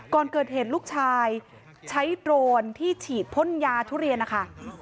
ก่อนเกิดเหตุลูกชายใช้โดรนที่ฉีดพ่นยาทุเรียนนะคะ